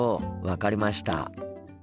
分かりました。